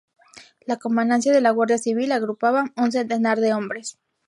La comandancia de la Guardia Civil agrupaba un centenar de hombres.